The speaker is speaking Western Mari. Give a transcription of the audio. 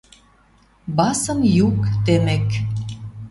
Басын юк тӹмӹк.